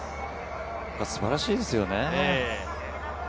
素晴らしいですよね。